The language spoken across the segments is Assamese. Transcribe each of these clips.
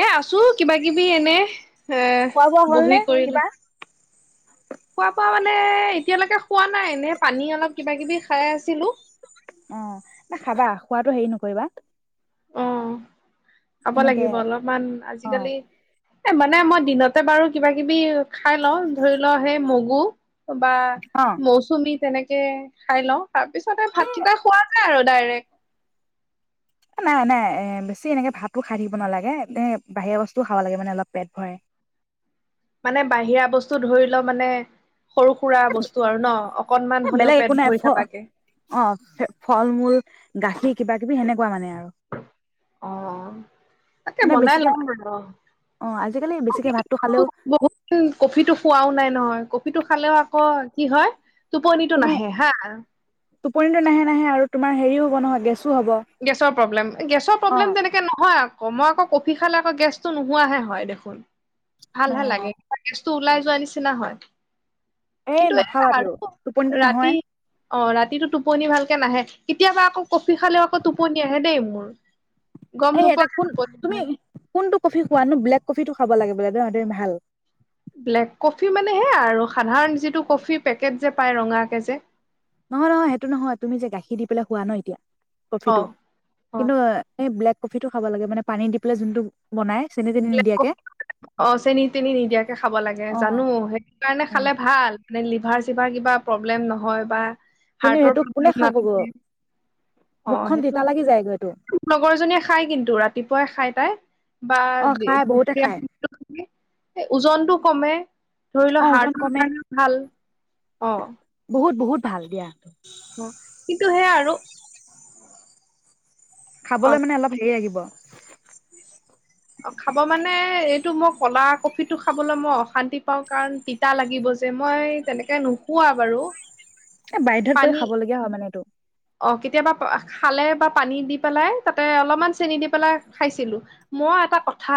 এ আছো কিবা কিবি এনে এ খোৱা বোৱা হল বহি নে কৰিলো কিবা খোৱা বোৱা মানে এতিয়ালৈকে খোৱা নাই এনে পানী অলপ কিবা কিবি খাই আছিলো অ না খাবা খোৱাতটো হেৰি নকৰিবা উম খাব এনেকে লাগিব অলপমান অ আজিকালি এ মানে মই দিনতে বাৰু কিবা কিবি খাই লওঁ ধৰি লওঁ সেই মগু। বা অ মৌচুমী তেনেক তে খাই লওঁ তাৰ পিছত এ ভাতকেইটা খোৱা নাই আৰু ডাইৰেক্ট। নাই, নাই এ বেছি এনেকে ভাতো খাই থাকিব নালাগে এ বাহিৰা বস্তুও খাব লাগে মানে অলপ পেট ভৰে। মানে বাহিৰা বস্তু ধৰি লওঁ মানে সৰু সুৰা বস্তু আৰু ন অকনমান হলেও বেলেগ পেট একো নাই ভৰি ফ' থকাকে অ', ফল-মূল গাখীৰ কিব কিবি সনেকুৱা মানে অৰ অ', তাকে মানে বনাই বেছিকে লম বাৰ অ আজিকালি বেছিকে ভাতটো খালেও বহুত ক'ফিটো খুৱাও নাই নহয় কফ ফিটো খালেও আকৌ কি হয় টোপনিটো তুমি, নাহে হা টোপনিটো নাহে, নাহে আৰু তোমাৰ হেৰিয়ো হ'ব নহয় গেছ গেছৰ প্ৰব্লেম, গেছৰ প্ৰব্লেম তেনেকে নহয়। মই আকৌ কফি খালে আকৌ গেছটো নোহোৱাহে হয়, দেখোন। অ ভালহে লাগে। টো ওলাই যোৱা নিচিনা হয়। এ কিন্তু নাখাবা তেও [unintelligible] টোপনিটো ৰাতি নহয় অ', ৰাত টো, টোপনি ভালকে নাহে, কেতিয়াবা আকৌ কফি খালেয়ো টোপনি আহে দেই মোৰ। গম নোপোৱাকে [unintelligible] টোপনি তুমি হয় কোনটো কফি খোৱানো? ব্লেক কফিতটো খাব লাগে বোলে [unintelligible] ভাল ব্লেক কফি মানে হেয়া আৰু সাধাৰণ যিটো কফি পেকেট যে, পায় ৰঙাকে যে নহয়, নহয় সেইটো নহয় তুমি যে, গাখীৰ দি পেলাই হোৱা ন এতিয়া অ কফিটো? অ কিন্তু এই ব্লেক কফিতো খাব লাগে মানে পানী দি পেলাই যোনটো বনাই চেনি তেনি ব্লেক নিদিয়াকে ক-অ', চেনি তেনি নিদিয়াকে খাব লাগে অ জানো সেইটো কাৰণে অ খালে ভাল মানে লিভাৰ চিভাৰ কিবা প্ৰব্লেম নহয় বা কিন্তু হাৰ্টৰ সেইটো কোনে প্ৰব্লেম খা ক'ব। নাথাকে অ', সেইটোক লগৰ জনীয়ে খাই কিন্তু ৰাতিপুৱাই খাই তাই। বা অ দুয় খাই বহুতে খাই ওজনটো কমে ধৰি অ লওঁ ওজন হাৰ্টৰ কমে কাৰণেও ভাল অ'। বহুত বহুত ভাল দিয়া। অ', কিন্তু সেয়া আৰু অ খাবলৈ মানে অলপ হেৰি লাগিব। [inaudible] অ খাব মানে এইটো মোক কলা কফিটো খাবলৈ মই অশান্তি পাওঁ কাৰণ তিতা লাগিব যে মই তেনেকে নোখোৱা বাৰু। এ বাধ্যত পৰি পানী খাব লগীয়া হয় মানে এইটো। অ কেতিয়াবা খালে বা পানী দি পেলাই তাতে অলপমান চেনি দি পেলাই খাইছিলো। মই এটা কথা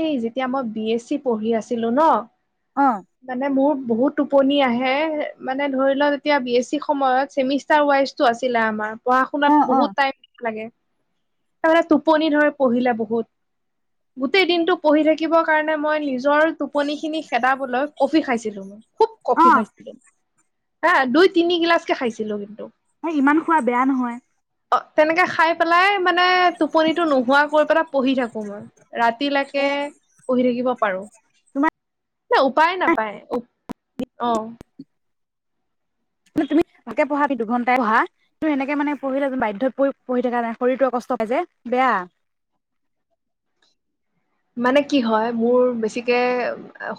এই যেতিয়া মই বি এছ চি পঢ়ি আছিলো ন, অ মানে মোৰ বহুত টোপনি আহে মানে ধৰি লওক এতিয়া বি এছ চিৰ সময়ত চেমিষ্টাৰ ৱাইজটো আছিলে আমাৰ পঢ়া অ শুনাত অ বহুত টাইম লাগে। তাতে টোপনি ধৰে পঢ়িলে বহুত। গোটেই দিনটো পঢ়ি থাকিবৰ কাৰণে মই নিজৰ টোপনি খিনি খেদাবলৈ কফি খাইছিলো মই খুব কফি খাইছিলো, হা দুই তিনি গিলাচকে খাইছিলো কিন্তু। হ ইমান খোৱা বেয়া নহয়। অ তেনেকে খাই পেলাই মানে টোপনিটো নোহোৱা কৰি পেলাই পঢ়ি থাকো মই। ৰাতিলৈকে এ পঢ়ি থাকিব পাৰো। তোমাৰ উপায় নাপায় অ তুমি তাকে পঢ়া দুঘন্টাই পঢ়া সেনেকে মানে পঢ়িলে বাধ্যত পঢ়ি থকা নাই শৰীৰটো কষ্ট পাই যে বেয়া। মানে কি হয় মোৰ বেছিকে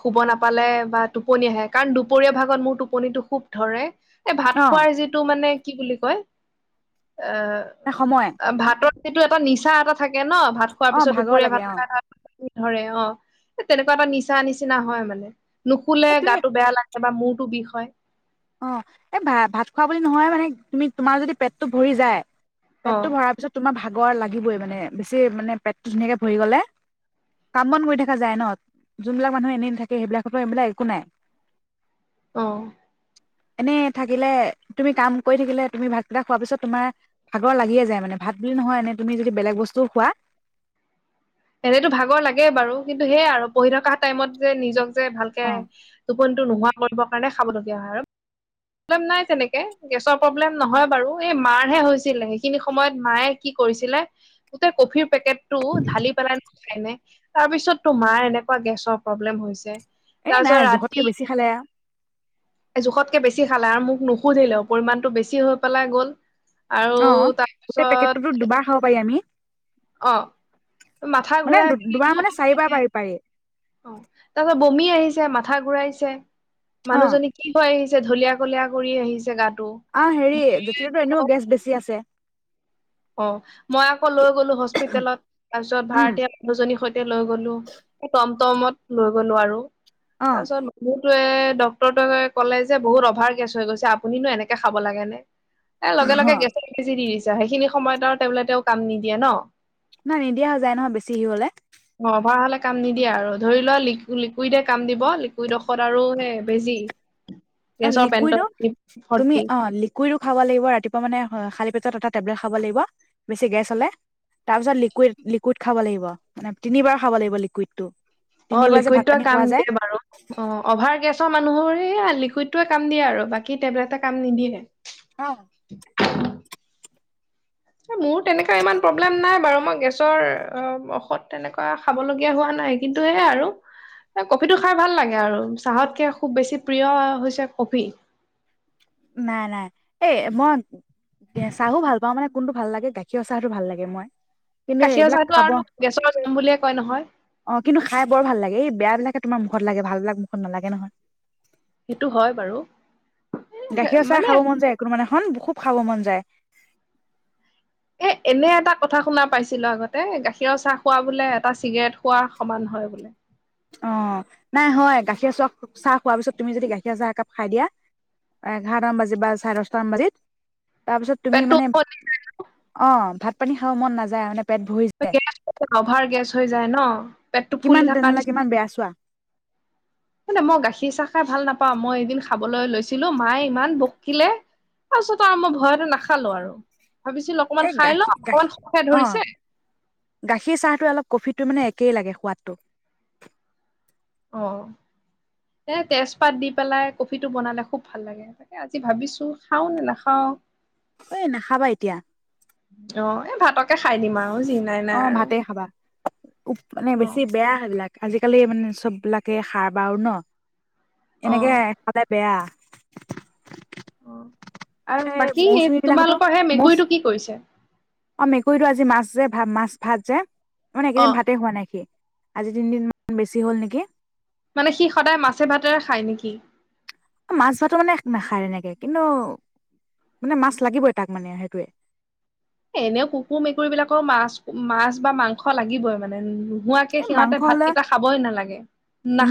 শুব নাপালে বা টোপনি আহে কাৰণ দুপৰীয়া ভাগত মোৰ টোপনিটো খুব ধৰে। এ ভাত অ খোৱাৰ যিটো মানে কি বুলি কয়। সময় এ ভাতত। সেইটো এটা নিচা এটা থাকে ন। ভাত খোৱাৰ অ পিছত ভাগৰ দুপৰীয়া লাগে ভাত অ খাই ধৰে অ তেনেকুৱা এটা নিচা নিচিনা হয় মানে। নুশুলে এ তুমি গাটো বেয়া লাগে বা মূৰ বিষ হয়। অ এই ভা ভাত খোৱা বুলি নহয় মানে তুমি তোমাৰ যদি পেটটো ভৰি যায়। অ পেটটো ভৰাৰ পিছত তোমাৰ ভাগ ভাগৰ লাগিবই মানে বেছি মানে পেটটো ধুনীয়াকে ভৰি গলে কাম বন কৰি থাককা যায় ন যোনবিলাক মানুহ এনেথাকে সেইবিলাকতো এইবিলাক একো নাই অ। এনেই থাকিলে তুমি কাম কৰি থাকিলে তুমি ভাতকেইটা খোৱা পিছত তোমাৰ ভাগৰ লাগিয়ে যায় মানে ভাত বুলি নহয় এনে তুমি যদি বেলেগ বস্তু খোৱা, এনেতো ভাগৰ লাগে বাৰু কিন্তু সেইয়াই আৰু পঢ়ি থকা টাইমত যে নিজক যে ভালকে অ টোপনিটো নোহোৱা কৰিব কাৰণে খাবলগীয়া হয় আৰু প্ৰ্লেম নাই তেনেকে গেছৰ প্ৰব্লেম নহয় বাৰু এই মাৰহে হৈছিলে সেইখিনি সময়ত মায়ে কি কৰিছিলে গোটেই কফিৰ পেকেট ভালি তাৰ পিছত তোমাৰ এনেকুৱা গেছৰ প্ৰব্লেম হৈছে এই নাই তাৰপিছত জোখতকে ৰাতি বেছি খালে জোখতকে বেছি বেছি খালে আৰু মোক নুসুধিলেও পৰিমাণতটো বেছি হৈ পেলাই গ'ল আৰু অ গোটেই তাৰপিছত পেকেটটোতো দুবাৰ খাব পাৰি আমি অ মাথা মানে ঘুৰাই দুবাৰ প মানে চাৰিবাৰ পাৰি পাৰি অ তাৰপাছত বমি আহিছে মাথা ঘূৰাইছে অ মানুহজনী কি ভ আহিছে ঢলিয় কলিয় কৰি আহিছে গাত আহ হেৰি জেঠিৰ এনেও গেছ বেছি আছে অ মই আকৌ লৈ গলো হস্পিতেলত তাৰপিছত উম ভাৰতীয় মানুহজনীৰ সৈতে লৈ গলো মত লৈ গলো আৰু অ তাৰছত ম য়ে ডক্তৰতোয়ে ক'লে যে বহুত অভাৰ গেছ হৈ গৈছে আপুনো এনেকে খাব লাগে নে এ লগে লগে গেছত সিচি দি দিছে সেইখিনি সময়ত আৰু তেওঁলে তেওঁ কাম নিদিয়ে ন নাই নিদিয়া হৈ যায় নহয় বেছি হি হলে অ অভাৰ হলে কাম নিদিয়ে আৰু ধৰি লোৱা ল লিকুইডে কাম দিব লিকুইড ঔষধ আৰু হে বেজি অ গেছৰ পেণ্টত লিকুইডো তুমি ভৰ্তি অ লিকুইডো খাব লাগিব ৰাতিপুৱা মানে খালি পা পিছত এটা টেবলেট খাব লাগিব বেছি গেছ হ'লে তাৰ পিছত লিকুইড লিকুইড খাব লাগিব মানে তিনিবাৰ খাব লাগিব লিকুইড টো অ লিকুইড কাম দিয়ে বাৰু অ অভাৰ গেছৰ মানুহৰ এই লিকুইড কাম দিয়ে আৰু বাকী টেবলেটে কাম নিদিয়ে অ মোৰ তেনেককাা ইমান প্ৰব্লেম নাই বাৰু মই ঔষধ তেনেকুৱা খাবলগীয়া হোৱা নাই কিন্তু সেয়াই আৰু কফিটো খাই ভাল লাগে আৰু চাহতকে খুব বেছি প্ৰিয় হৈছে কফি নাই নাই এ মই চাহো ভাল পাওঁ মানে কোনটো ভাল লাগে গাখীৰ চাহতটো ভাল লাগে মই কিন্তু গাখীৰ এইবিলাক চাহটো খাব আৰু গেছৰ জাম বুলিয়ে কয় নহয় অ কিন্তু খাই বৰ ভাল লাগে এই বেয়া বিলাক তোমাৰ মুখত লাগে ভাল বিিলাক মুখত নালাগে নহয় সেইটো হয় বাৰু গাখীৰ চাহ মানে খাব মন যায় একো মানে হন খুব খাব মন যায় এ এনে এটা কথা শুনা পাইছিলো আগতে গাখীৰৰ চাহ খোৱা বোলে এটা চিগাৰেট খোৱা সমান হয় বোলে অ নাই হয় গাখীৰ চাহ চাহ খোৱাৰ পিছত তুমি যদি গাখীৰ চাহ একাপ খাই দিয়া এঘাৰটামান বাজি বা চাৰে দহটামান বাজিিত তাৰপিছত তুমি মানে পেটটো অ ভাত পান খও মন নযায় মানে পেট ভৰি যায় গেছ অভাৰ গেছ হৈ যায় ন পেটটো ফুলি কিমান তেনেহ'লে কিমান বেয়া চোৱা এে মই গাখীৰ চাহ খাই ভাল নাপাওঁ মই এদিন খাবলৈ লৈছিলো মায়ে ইমান বকিলে তাৰপিছতো আৰু মই ভয়টোো নাখালো আৰু ভাবিছিলো অকমান এই খাই লওঁ গাখীৰ গাখীৰ অকমান খ খাই অ ধৰিছে। টো মানে একেই লাগে সোৱাদটো। অহ ', এ তেজপাত দি পেলাই কফিটো বনালে খুব ভাল লাগে তাকে আজি ভাবিছো খাও নে নাখাও। এ নাখাবা এতিয়া। ফ অহ ', ভাতে খাবা মানে ন বেছি বেয়া সেইবিলাক। আজিকালি মানে চব বিলাকে সাৰ বও ন। অ এনেকে খালে বেয়া। অহ আৰু ', সেই বাকী মৌচুমী তোমালোকৰ সেই মেকুৰীটো কি কৰিছে। অহ ', মেকুৰীটো আজি মাছ যে ভ মাছ ভাত যে। মানে অ একেইদিন ভাতে হোৱা নাই সি। আজি তিনিদিনমানান বেছি হ'ল নেকি? মানে সি সদায় মাছে ভাতেৰে খায় নেকি? মাছ ধৰাটো মানে নাখায় তেনেকে কিন্তু মানে মাছ লাগিবই তাক মানে সেইটোৱে। এনেও কুকুৰ মেকুৰী বিলাকৰ মাছ - মাছ বা মাংস লাগিবই মানে। নোৱাকে এই মাংস সিহঁতে হলে ভাতকেইটা খাবই নালাগে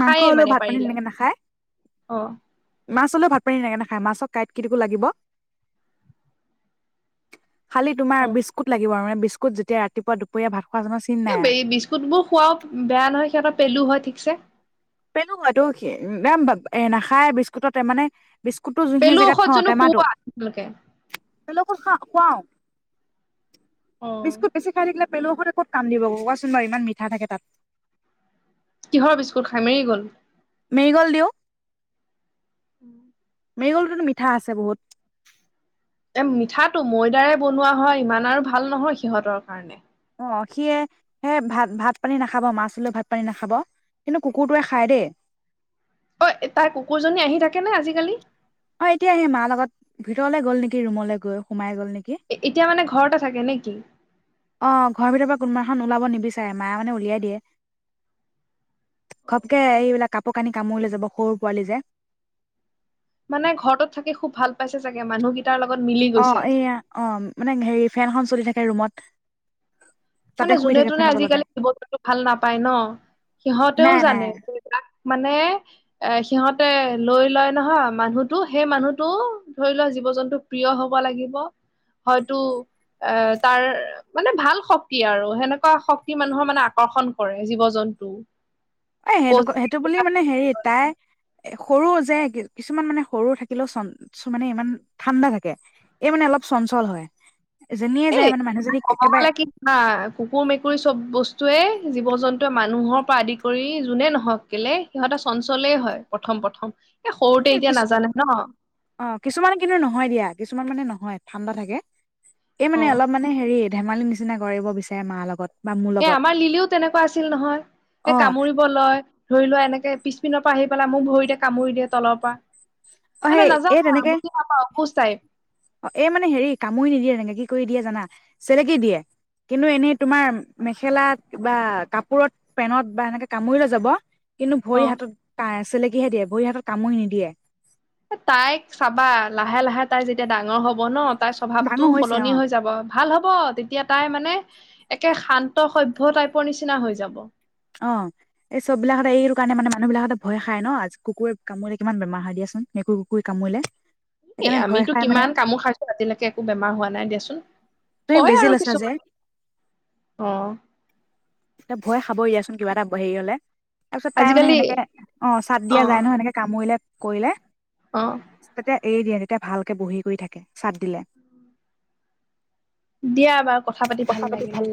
মাংস হলেও মানে ভাত পানী পাৰিলে। তেনেকে নাখায় অহ ', হে মাছক কাঁইট কিটো লাগিব। খালি তোমাৰ অ বিস্কট লাগিব আৰু ম। স্কত যেতিয়া ৰাতিপুৱ দুপৰীয়া ভ এই বে বিস্কুট বোৰ খুৱওক। বেয়া নহয় সিহঁতৰ পেলু হয় ঠিকছে। পেলু হয়তো একদম এ নাখায় বিস্কুটতে মানে বিস্কুটটো যোনখিনি পেলু জেগাত থওঁ ঔষধজননো শুৱা আপোনালোকে? অ খা খোৱাও। অ বিস্কুট ক খাই থকিল। পেলুৰ সতে ক'ত কাম দিব কোৱাচোন বাৰু ইমান মিঠা থাকে তাত। কিহৰ বিস্কুট খাই মেৰিগল্ড। মৰিগল দিওঁ। উম', মেগলটোতো মিঠা আছে বহুত। এ মিঠাটো ময়দাৰে বনোৱা হয় ইমান আৰু ভাল নহয় সিহঁতৰ কাৰণে। অহ ', সি সেই ভাত ভাত পানী নাখাব মাছৈ ভাত পানী নাখাব কিন্তু কুকুৰটোৱে খায় দেই। অহ ', তাই কুকুৰজনী আহি থাকে নে আজিকালি? অহ ', এতিয়া সি মাৰ লগত ভিতৰলে গ'ল নেকি ৰুমলৈ গৈ সোমাই গ'ল নেকি? এতিয়া মানে ঘৰতে থাকে নে কি? অহ ', ঘৰৰ ভিতৰ পৰা কোনোবা এখন ওলাব নিবিচাৰে মায় মানে উলিয়াই দিয়ে ঘপকে এইবিলাক কাপোৰ কানি কামুৰিলে যাব সৰু পোৱালি যে। মানে ঘৰটোত থাকে খুব ভাল পাইছে চাগে মানুহকেই অ', এয়া অ', মানে হেৰি ফেনখন চলি থাকে ৰুমত। তাতে মানে শুই যোনে থাকে তোনে ফেনৰ তলতে আজিকালি জীৱ জন্তু ভাল নাপায় ন' সিহঁতেও নাই নাই জানোক মানে এ সিহঁত তে লৈ লয় নহয় মানুহতো সেই মানুহটো ধৰি লোৱা জীৱ-জন্তু প্ৰিয় হ'ব লাগিব হয়তো এ তাৰ মানে ভাল শক্ত শক্তি আৰু সেনেকুৱা শক্তি মানুহৰ মানে আকৰ্ষণ কৰে জীৱ-জন্তু। এ সেনে সেইটো বুলি মানে হেৰি তাই সৰু যে কিছুমান মানে সৰু থাকিলেও চ মানে ইমান ঠাণ্ডা থাকে এই মানে অলপ চঞ্চল হয়। যেনিয়ে এ যায় মানে মানুহজনী ক'ব একেবাৰে গ'লে কি আ, কুকুৰ মেকুৰী চব বস্তুৱে জীৱ-জন্তুৱে মানুহৰ পৰা আদি কৰি যোনে নহওক কেলে সিহঁতে চঞ্চলেই হয় প্ৰথম প্ৰথম সৰুতে এ এতিয়া কিছু নাজানে ন অ', কিছুমানে কিন্তু নহয় দিয়া কিছুমান মানে নহয়। নহয় ঠাণ্ডা থাকে। এই মানে অ অলপ মানে হেৰি ধেমালিৰ নিচিনা কৰিব বিচাৰে মাৰ লগত। বা মোৰ এ লগত আমাৰ লিলিও তেনেকুৱা আছিল নহয় অ এই কামুৰিব লয়। ধৰি লোৱা এনেকে পিছপিনৰ পৰা আহি পেলাই মোক ভৰিতে কামুৰি দিয়ে তলৰ পৰা। অ মানে সেই এই নাজানা তেনেকে বুজি নাপাওঁ অ', খোজ তাই। অ', এই মানে হেৰি কামুৰি নিদিয়ে তেনেকে কি কৰি দিয়ে জানা চেলেকে দিয়ে কিন্তু এনেই তোমাৰ মেখেলাত বা কাপোৰত পেনত বা এনেকে কামুৰি লৈ যাব। কিন্তু অ ভৰি হাতত কা ই ছেলেকী কিহে দিয়ে ভৰি হাতত কামুৰি নিদিয়ে। তাইক চাবা লাহে লাহে তাই যেতিয়া ডাঙৰ হ'ব ন। তাইৰ স্বভাৱটো ডাঙৰ হৈছে অ সলনি হৈ যাব। ভাল হ'ব তেতিয়া তাই মানে একে শান্ত সভ্য টাইপৰ নিচিনা হৈ যাব। অ', এই চব বিলাকতে এইটো কাৰণে মানে মানুহ বিলাকতে ভয় খায় ন' কুকুৰে কামুৰিলে কিমান বেমাৰ হয় দিয়াচোন মেকুৰ কুকুৰৰে কামুৰিলে। এই সেইকাৰণে ভয় আমিটো খাই মানে কিমান কামোৰ খাইছো ৰাতিলৈকে একো বেমাৰ হোৱা নাই দিয়াচোন। তুমি কয় বেজি আৰু লৈছা যে। কিছুমানে অ এতিয়া ভয়ে খাবই ইিয়াচোন কিবা এটা হেৰি হ'লে। তাৰ পিছত তাই মানে আজিকালি সেনেকে অ', চাদ দিয়া যাই ন' সেনেকে কামোৰিলে কৰিলে অ'। এই দিয়া তেতিয়া ভালকে বহি কৰি থাকিম চাদ দিলে। দিয়া বা, কথা পাতি ভাল লাগিলে।